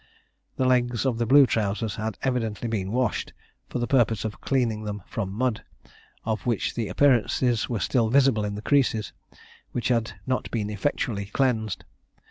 The legs of the blue trousers had evidently been washed, for the purpose of cleaning them from mud, of which the appearances were still visible in the creases, which had not been effectually cleansed.